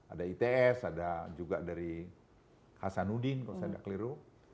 ada its ada juga dari hasanuddin kalau saya tidak keliru